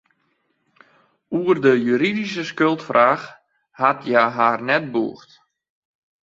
Oer de juridyske skuldfraach hat hja har net bûgd.